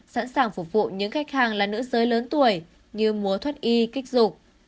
sẵn sàng phục vụ những khách hàng là nữ giới lớn tuổi như mua thoát y kích dục